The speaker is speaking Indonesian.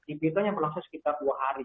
kipi itu hanya berlangsung sekitar dua hari